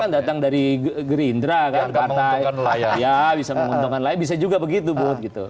datang dari gerindra kan karena ya bisa menguntungkan lain bisa juga begitu but gitu